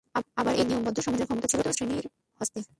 আবার সেই নিয়মবদ্ধ সমাজে ক্ষমতা ছিল পুরোহিত-শ্রেণীর হস্তে।